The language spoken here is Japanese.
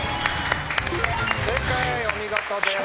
正解お見事です。